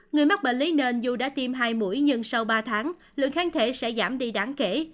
người mắc bệnh lý nền dù đã tiêm hai mũi nhưng sau ba tháng lượng kháng thể sẽ giảm đi đáng kể